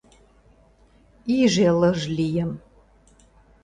Иже лыж лийым.